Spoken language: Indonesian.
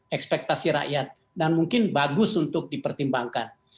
ini loh ekspektasi rakyat dan mungkin bagus untuk dipertimbangkan